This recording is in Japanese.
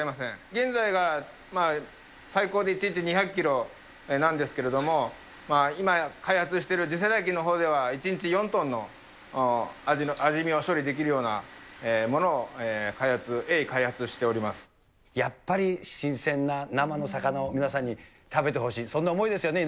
現在は最高で１日２００キロなんですけれども、今開発している次世代機のほうでは、１日４トンのアジ身を処理できるようなものを開発、やっぱり新鮮な生の魚を皆さんに食べてほしい、そんな思いですよね。